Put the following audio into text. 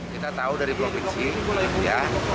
kita tahu dari provinsi ya